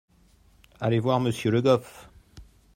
Allez voir monsieur Le Goff.